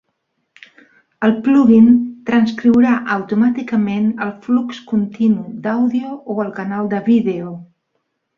El plug-in transcriurà automàticament el flux continu d'àudio o el canal de vídeo.